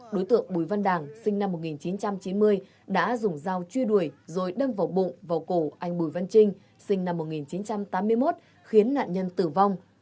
đối tượng bùi văn đảng sinh năm một nghìn chín trăm chín mươi đã dùng dao truy đuổi rồi đâm vào bụng vào cổ anh bùi văn trinh sinh năm một nghìn chín trăm tám mươi một khiến nạn nhân tử vong